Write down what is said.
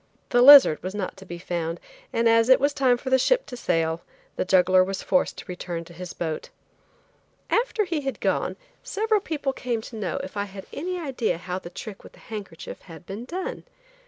The lizard was not to be found, and as it was time for the ship to sail, the juggler was forced to return to his boat. After he had gone, several people came to know if I had any idea how the trick with the handkerchief had been done.